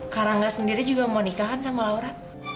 karangga sendiri juga mau nikahkan sama laura